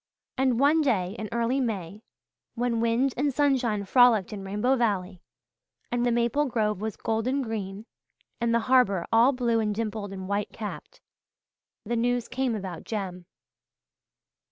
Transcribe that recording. And one day in early May, when wind and sunshine frolicked in Rainbow Valley and the maple grove was golden green and the harbour all blue and dimpled and white capped, the news came about Jem.